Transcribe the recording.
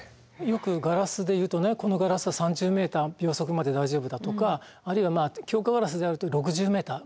よくガラスで言うとねこのガラスは３０メーター秒速まで大丈夫だとかあるいは強化ガラスであると６０メーター。